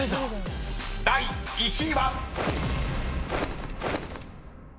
［第１位は］